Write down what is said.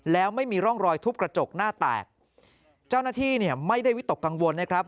แล้วไม่มีร่องรอยทุบกระจกหน้าแตกเจ้าหน้าที่เนี่ยไม่ได้วิตกกังวลนะครับ